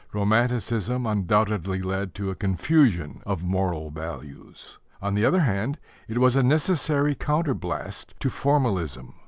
Romanticism undoubtedly led to a confusion of moral values. On the other hand, it was a necessary counterblast to formalism.